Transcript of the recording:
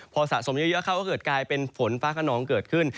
พอสะสมเยอะเข้าก็เกิดกลายเป็นฝนฟ้าขนองเกิดขึ้น